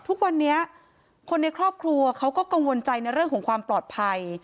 ทุกวันนี้คนในครอบครัวเขาก็กังวลใจในเรื่องของความปลอดภัย